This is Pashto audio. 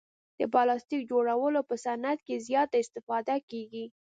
د پلاستیک جوړولو په صعنت کې زیاته استفاده کیږي.